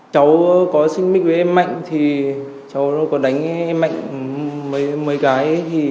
cháu có xin mít với em mạnh cháu có đánh em mạnh mấy cái